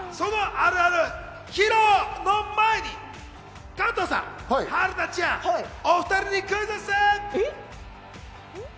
さぁ、では皆様、そのあるある披露の前に加藤さん、春菜ちゃん、お２人にクイズッス！